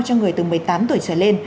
cho người từ một mươi tám tuổi trở lên